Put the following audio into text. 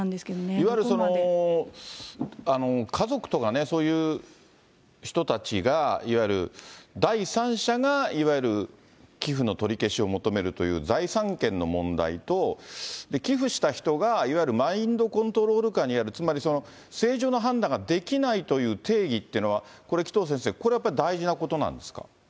いわゆる家族とかね、そういう人たちが、いわゆる第三者が、いわゆる寄付の取り消しを求めるという財産権の問題と、寄付した人がいわゆるマインドコントロール下にある、つまりその、正常な判断ができないという定義っていうのは、これ、紀藤先生、これはやっぱり大事なことなんですか。